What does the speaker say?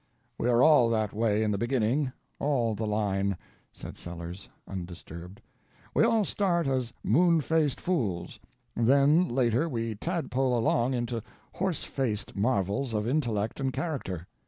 "We are all that way in the beginning—all the line," said Sellers, undisturbed. "We all start as moonfaced fools, then later we tadpole along into horse faced marvels of intellect and character.